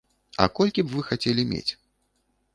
А колькі вы б хацелі мець?